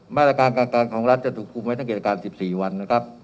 มาตรการการของรัฐจะถูกคุมไว้ทั้งกิจการ๑๔วันนะครับ